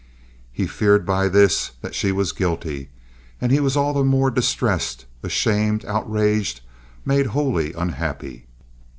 He feared by this that she was guilty, and he was all the more distressed, ashamed, outraged, made wholly unhappy.